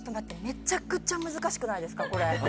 めちゃくちゃ難しくないですかこれ。